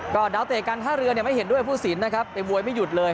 ก็ดาวเตะการท่าเรือเนี่ยไม่เห็นด้วยผู้สินนะครับไอ้มวยไม่หยุดเลย